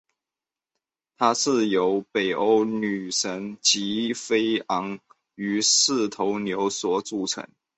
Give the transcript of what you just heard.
它是由北欧女神吉菲昂与四头牛所组成。